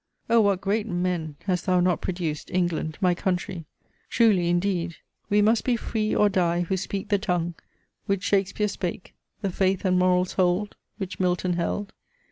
O what great men hast thou not produced, England, my country! Truly indeed We must be free or die, who speak the tongue, Which Shakespeare spake; the faith and morals hold, Which Milton held.